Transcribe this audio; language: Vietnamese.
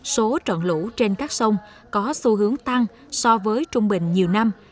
số trận lũ trên các sông có xu hướng tăng so với trung bình nhiều năm